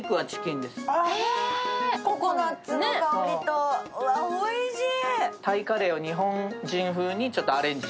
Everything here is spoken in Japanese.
ココナッツの香りとわ、おいしい！